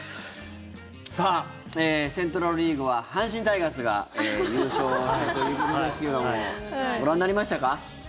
さあセントラル・リーグは阪神タイガースが優勝したということですけどもご覧になりましたか？